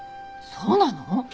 そうなの！？